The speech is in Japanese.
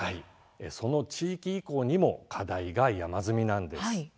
その地域移行にも課題が山積みなんです。